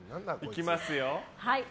いきますよ。